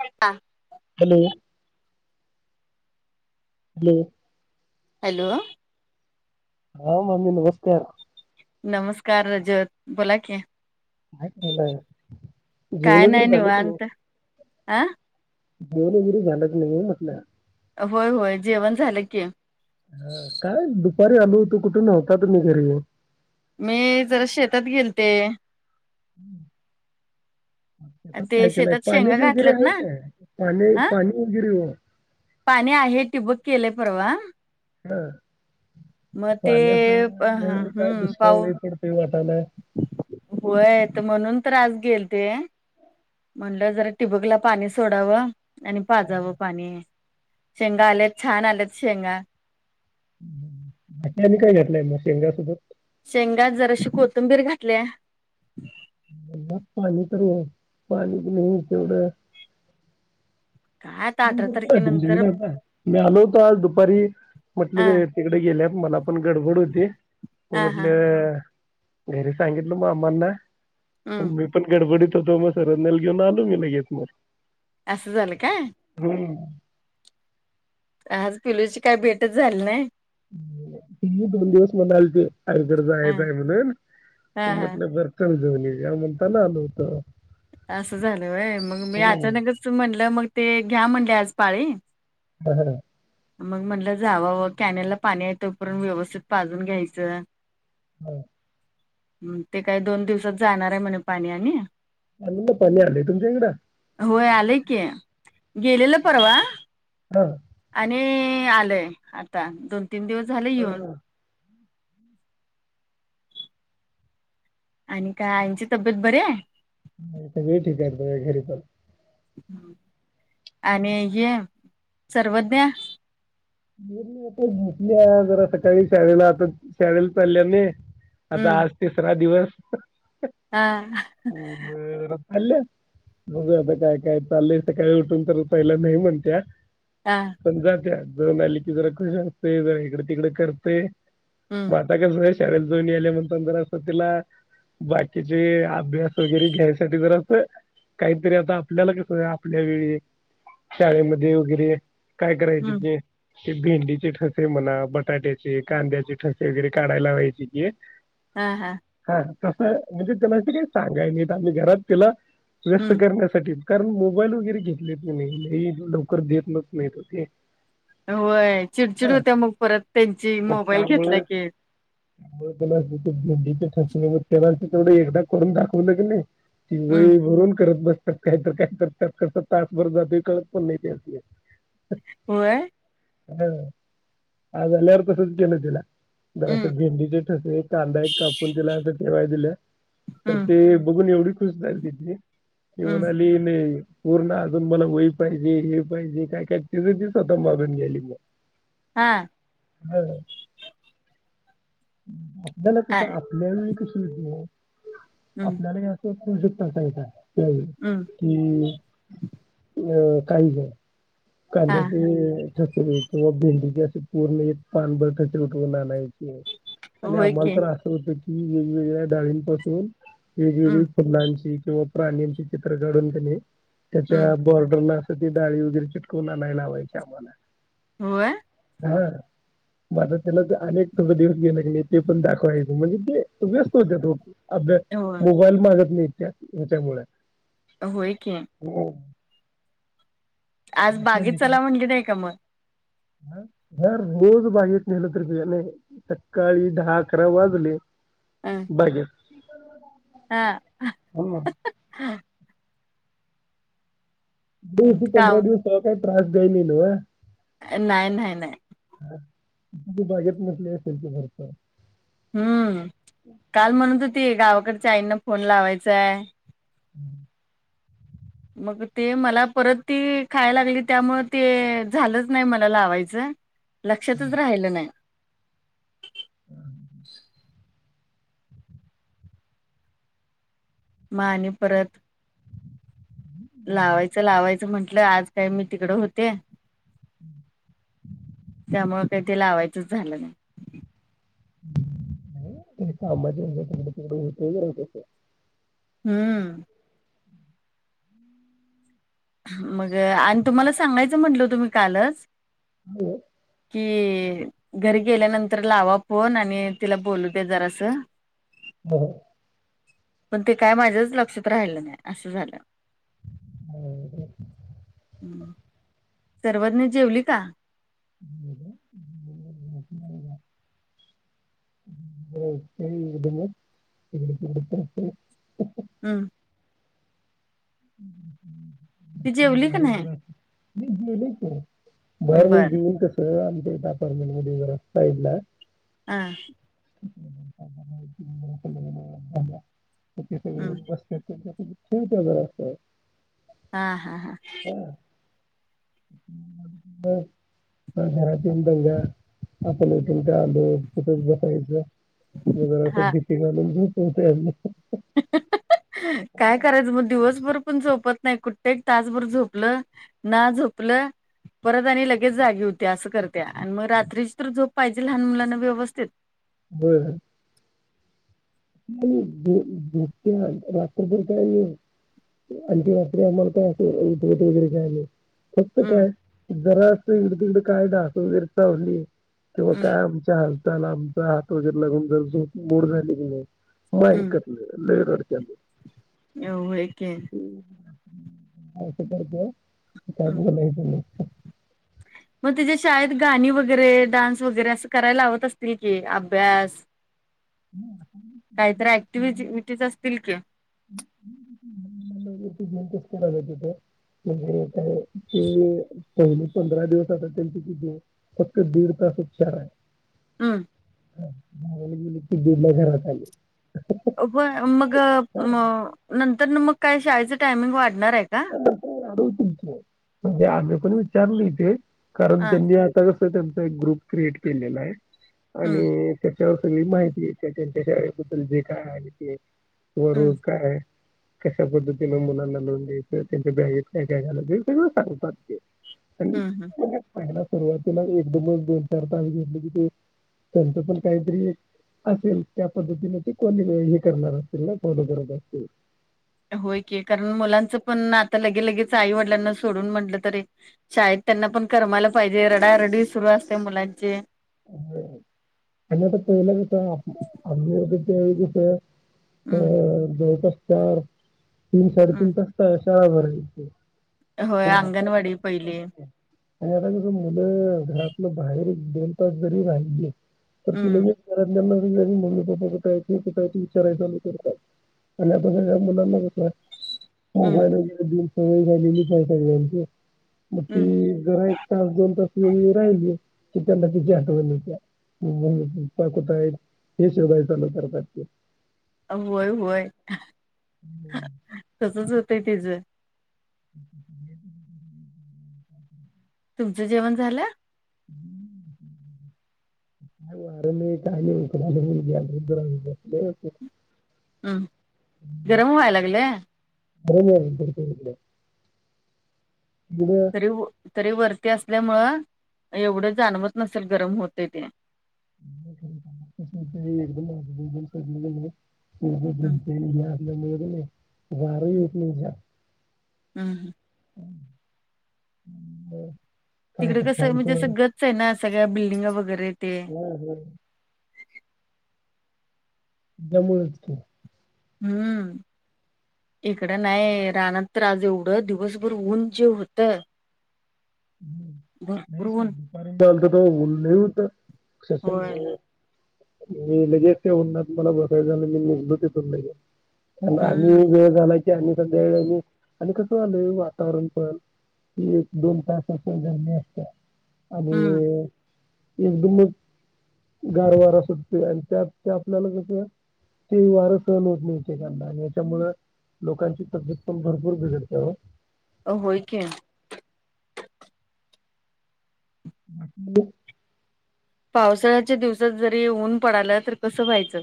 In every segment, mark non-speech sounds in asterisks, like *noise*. हाय का. Hello hello. Hello. हा mummy नमस्कार. नमस्कार रजत बोला कि. काय चालय जेवण काय वगैरे नाही झाले का नाही? निवांत आ. जेवण वगैरे झाल की नाही म्हटलं. होय होय जेवण झालं की. काय दुपारी आलो होतो कुठून नव्हता तुम्ही घरी ओ. मी जरा शेतात गेलते. हम्म. काय ते केलंय शेतात शेंगा पाण्याचे वगैरे घातल्यात आहे ना काय पा हा पाणी वगैरे ओ. पाणी आहे टिबक केलंय परवा. ह मग ते पाण्याच काय दुष्काळ लय पडतय वाट्याला. व्हय तर म्हणून तर आज गेलते. म्हणलं जरा टिबक ला पाणी सोडावं. आणि पाजावं पाणी शेंगा आल्यात छान आल्यात शेंगा. आतमध्ये काय घेतलंय मग शेंगा सोबत? शेंगात जराशी कोथंबीर घातल्या. यंदा पाणी तरी आहे. पाणीच नाही तेवढं. काय आता उन्ह अठरा भरपूर आहे तारखेनंतर तुमच्याकडे आता मी आलो होतो, आज दुपारी म्हटलं हा कि तिकडं गेल्यात, मला पण गडबड होती मग हा हा म्हटलं. घरी सांगितलं मामांना हम्म मम्मी पण गडबडीत होतो. म सरेनंल घेऊन आलो, मी लगेच मग. असं झालं का? हमम. आज पिलूची काय भेटच झाली नाय. पिल्लू दोन दिवस म्हणालती आईकडे ह जायचं आहेे म्हणून हा मी हा म्हटलं बर चल जाऊन येऊया. म्हणताना आलो होतो. असं झालं व्हय मग मी हम्म. अचानकच म्हटलं मग ते घ्या म्हणले आज पाळी हाआआ. मग म्हटलं जावाव कॅनलला पाणी हाय तोपर्यंत व्यवस्थित पाजून घ्यायचं. हाआआ. हम् ते काही दोन दिवसात जाणार आहे म्हण पाणी आणि कॅनला पाणी आलय तुमच्याकडं? होय आलय की. गेलेलं परवा. हाआआ. आणि आलय, आता दोन, तीन दिवस झाले येऊन हा. आणि काय आईंची तब्येत बरीये. हम् सगळे ठीक आहेत. बघा घरी पण आणि हे सर्वज्ञा नाही ती आता झोपलीया, जरा सकाळी शाळेला आता शाळेला चालेली आता हम्म आज तिसरा दिवस हा म जरा आल्ल्या बघूया, आता काय काय चालय सकाळी उठून तर पहिलं नाही म्हणत्या. हाआआ. पण जातीया जाऊन आली की, जरा खुश असतय जरा इकडे तिकडे करते हम्म हा आता कसं शाळेत जाऊन यालीया म्हणताना जरा तीला बाकीचे अभ्यास वगैरे घ्यायसाठी जरा असं काहीतरी आता आपल्याला कस आपल्या वेळी शाळेमध्ये वगैरे, काय करायची हम्म ते ते भेंडीचे ठसे म्हणा बटाट्याचे कांद्याचे ठसे वगैरे काढायला व्हायचे की, हा हा हा तस म्हणजे त्याला अस काही सांगायचे आणि घरात तिला व्यस्त हम्म करण्यासाठी कारण मोबाईल वगैरे घेतलेत नाही नाही लवकर देतच नाहीत ते होय चिडचिड हा होत्या मग परत त्यांची मग मोबाईल त्यामुळे घेतला की पण भंडीच्या त्या तेवढं एकदा करून दाखवू लागेले ती हम्म वय भरून करत बसतात काहीत काहीत त्यात करता तासभर जातो कळत पण नाही ते अस होय ह आज आल्यावर तसच केल तीला, जरा आता हम्म भेंडीचे ठसे कांदा एक कापून दिलाय असं ठेवाय दिलाय. तर हम्म ते बघून एवढी खुश झाली ती ती हम्म म्हणाली. पूर्ण अजून मला वही पाहिजे. हे पाहिजे काय काय तिझं तीच आता मा बनल्याली हा ह आपल्याला कस आय आपल्या वेळी कस होत हम्म आपल्याला हे पो्जेक्ट नसायचा त्यावेळी, हम् हम् अं काही जण हा काद्याचे *unintelligible* किंवा भेंडीची असे पूर्ण एक पान भर ठसे उठवून आणायचे. आणि होय की आम्हाला तर असं होतं की वेगवेगळ्या डाळींपासून वेगवेगळे हम्म फुलांची किंवा प्राण्यांची चित्र काढून त्याने त्याच्या हम्म बॉर्डर त डाळी वगरे चिटकून आणाय लावायची आम्हाला होय हा मझ त्याला अनेक थोड दिवस घेऊ लागले ते पण दाखवायचं म्हणजे ते व्यस्त होत अभ्या होय मोबाईल मागत नाही त्या त्याच्यामुळे होय क हम आज बागेत चला म्हणजे नाही का मग ह ह रोज बाहेरेत नेलं तरी नाही सकाळी दहा अकरा वाजले अ बजर हा हो दवस पंधरा काम दिवस काही त्रास दई म न नाही नाही नाही ह त बागेत नसली असेल तर घरच हम्म काल म्हणून तर ते गावाकडच्या आईंना फोन लावायचाय हं मग ते मला परत ती खायला लागली त्यामु ते झालंच नाही मला लावायचं लक्षातच राहिलं नाही ह ह ह मग आणि परत लावायचं लावायचं म्हण म्हटलं आज काय मी तिकड होते त्यामु काही ते लावायचंच झालं नाही कामाज होतस हम्म मग, आणि तुम्हाला सांगायचं म्हंटलं होत मी कालच. हो. कि घरी गेल्यानंतर लावा फोन, आणि तिला बोलू दे जरास बघू पण ते काय माझ्याच लक्षात राहिलं नाही, असं झालं. *unintelligible* *inaudible* हम्म! *unintelligible* जेवली का? जरा *unintelligible* *inaudible* *unintelligible* एकदमच, हिकडं तिकड करतय. हम्म! *unintelligible* *inaudible* ती जेवली का नाही? गेली की, बाहेर म बर जेऊन कस, आमच्या अपारमेंट मध्ये जरा साइडला हां *unintelligible* *inaudible* हम्! *unintelligible* *inaudible* हा हा हा. बर ह घरात येऊन दंगा, आपल *unintelligible* तिथंच बसायचं. म जरा हा दीपि *unintelligible* काय करायचं मग, दिवसभर पण झोपत नाही, कुठ एक तासभर झोपलं ना झोपलं. परत आणि लगेच जागी होत्या, असं करत्या, आणि मग रात्रीची तर झोप पाहिजे, लहान मुलांना व्यवस्थित. होय. *unintelligible* रात्रभर पाहिजे. आणि ती रात्री आम्हाला असं उठवत वैगेरे काही नाही. फक्त हम्म काय, जरा अस हिकडं तिकड काय, ढास वैगरे चावली तेव्हा हम्म काय, आमच्या हालचाल, आमचा हात वैगेरे लागून जर झोप मोड झाली म ऐकत नाही, लई रडत्या मग. हम, व्हय की. अस करत्या, काय हम्म बोलायचं नाही. *unintelligible* *inaudible* मग तिच्या शाळेत, गाणी वगैरे, डान्स वगैरे, असं करायला लावत असतील की, अभ्यास. काहीतरी ऍक्टिवीटी असतील कि. *unintelligible* *inaudible* *unintelligible* *inaudible* म्हणजे काय की, पहिली पंधरा दिवस आता त्यांची कितीे फक्त दीड तासाच चार हाय. हम्म! बाराला गेली, ते दीडला घरात आली. हो, मग नंतर मग काय शाळेचं टायमिंग वाढणार आहे का? होय, वाढवतील की, म्हणजे आम्ही पण विचारल नाही ते, कारण हा त्यांनी स त्यांचा एक ग्रुप क्रिएट केलेला आहे, हम्म आणि त्याच्यावर सगळी माहितीेयेत्या, त्यांच्या शाळेबद्दल जे काय आहे ते वरू हम्म काय, कश्या पद्धतीन मुलांना लावून त्यांच्या बॅगेत काय काय घालायचं, ते सगळं सांगतात ते. हम्म पहिला सुरुवातीला, एकदमच दोन चार तास, घेतल की म तेंच पण काहीतरी असे त्याप दु दिट कोणी हे करणार असतील कोड बरो असतीलल. होय की कारण मुलांचं पण आता लगे लगेच आई वडिलांना सोडून म्हटलं तरी. शाळेत त्यांना पण कमायला पाहिजे रडारडी सुरू असते मुलांचे. आणि आता पहिला कस आम्ही जायचा त्या वेळी कस अ हम्म जळ तास चार तीन साडेतीन हम्म तासता शाळाभर होय आंगणवाडी पहिली. आणि आता कस मुलं घरातलं बाहेर दोन तास जरी राहिली. तर ती हम्म नाहीना *unintelligible* मम्मी पप्पा कुठायचे कुठय विचारायचालू करतात आणि आता सगळ्या मुलांना होतात. हम्म मोबाईल वगैरे देऊन सगळी झालेली पाहि मग ते हम्म जरा तास दोन तास व राहिले की त्या त्यांची आठवण येत्या मग पप्पा कुट हैत हे सगळ चालू करतात. होय होय तसच होतंय तच. *inaudible* तुमचं जेवण झालं. *inaudible* *unintelligible* गरम व्हाय लागलय. *unintelligible* तरी तरी वरती असल्यामुं एवढं जाणवत नसेल गरम होते ते. एकदम द सगले गते. हम्म मळ नाही वर वटन. हम् ह. हम् ह ब. तिकडे कसं म्हणजे असं गच आहे ना सगळ्या बिल्डिंगा वगैरे ते हम् हम त्यामुळाच की. हम्म. इकडं नाही राना तर आज एवढं दिवसभर ऊन जे होतं. भरपूर नाही सर ऊन दुपारीलत *inaudible* त लई होत. होय. मी लगेचच्या उना मला बसायचं आणि मी निर् ते. आणि आम्ही हम्म वेळ झाला की सध्या व आणि कसं आलय वातावरण पण क एक दोन तास हम्म *unintelligible* गारवार सुटते आणि त्यात ते आपल्याला कस ते वार सहन होत नाही ऐक एकानं आणि याच्यामुळ लोकांची तब्यत पण भरपूर बिघडते ओ. अ होय की. *inaudible* पावसाळ्याच्या दिवसात जरी ऊन पडाला तर कसं व्हायचं.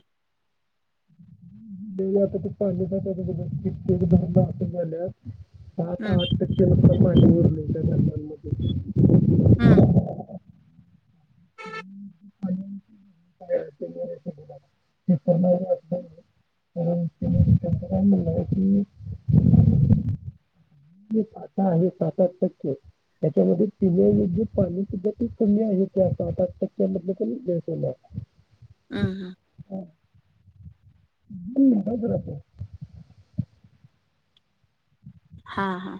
म आता ते पाहिले के दनार झाले. सात हम्म आठ टक्के नता पाणी उरले त्या गरबांमध्ये हम्म *unintelligible* *inaudible* *unintelligible* हो ते म्हणला की पाता हे पाातात टके. त्याच्यामध्ये पिण्या जे पाणी सुधा ते कमी आहे त्या सात आठ टक्क्या मध द हम्म हम्म. हा *unintelligible* हा हा